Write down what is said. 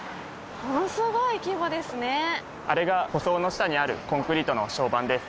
あれが舗装の下にあるコンクリートの床版です。